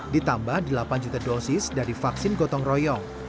ditambah delapan juta dosis dari vaksin gotong royong